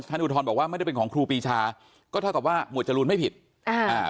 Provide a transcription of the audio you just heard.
อุทธรณ์บอกว่าไม่ได้เป็นของครูปีชาก็เท่ากับว่าหมวดจรูนไม่ผิดอ่าอ่า